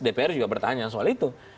dpr juga bertanya soal itu